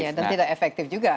ya dan tidak efektif juga